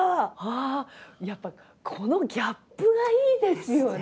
やっぱこのギャップがいいですよね。